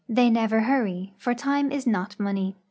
They never hurry, for time is not money.